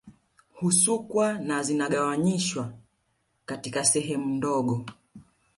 Husukwa na zinagawanyishwa katika sehemu ndogo